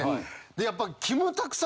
でやっぱ。